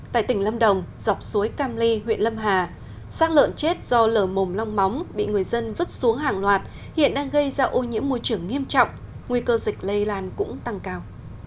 tại tỉnh lâm đồng dọc suối cam ly huyện lâm hà sát lợn chết do lở mồm long móng bị người dân vứt xuống hàng loạt hiện đang gây ra ô nhiễm môi trường nghiêm trọng nguy cơ dịch lây lan cũng tăng cao